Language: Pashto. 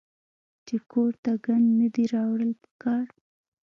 چې کور ته ګند نۀ دي راوړل پکار